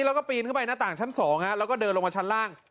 แล้วก็ปีนขึ้นไปหน้าต่างชั้น๒แล้วก็เดินลงมาชั้นล่าง